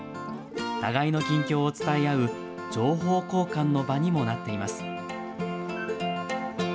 互いの近況を伝え合う情報交換の場にもなっています。